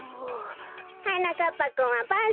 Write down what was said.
はなかっぱくんはばん